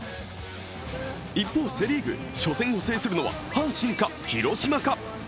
一方、セ・リーグ、初戦を制するのは阪神か、広島か。